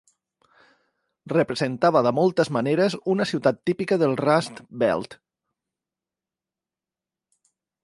Representava de moltes maneres una ciutat típica del "Rust Belt".